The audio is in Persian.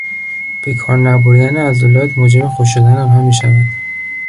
به کار نبردن عضلات موجب خشک شدن آنها میشود.